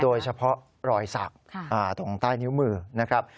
โดยเฉพาะรอยสักตรงใต้นิ้วมือนะครับ